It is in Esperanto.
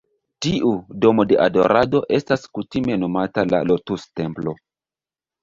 Tiu "Domo de Adorado" estas kutime nomata la "Lotus-Templo".